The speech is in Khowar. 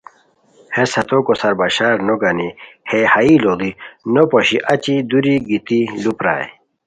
ہیس ہتو کوسار بشار نوگنی ہے ہائی لوڑی نوپوشی اچی گیتی دُوری لُوپرائے